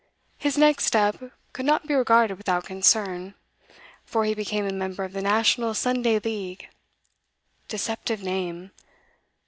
His next step could not be regarded without concern, for he became a member of the National Sunday League. Deceptive name!